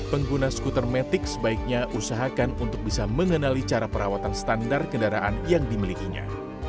pengguna skuter metik sebaiknya usahakan untuk bisa mengenali cara perawatan standar kendaraan yang dimilikinya